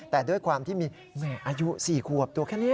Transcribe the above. แต่ด้วยความที่มีแม่อายุ๔ขวบตัวแค่นี้